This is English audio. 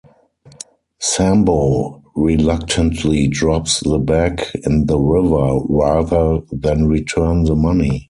Sambo reluctantly drops the bag in the river rather than return the money.